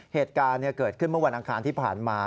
เหตุการณ์เกิดขึ้นเมื่อวันอังคารที่ผ่านมา